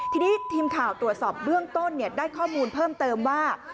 ทีนี้ทีมข่าวตรวจสอบเบื้องต้นได้ข้อมูลเพิ่มเติมว่า